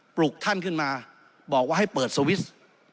ลุกท่านขึ้นมาบอกว่าให้เปิดสวิสต์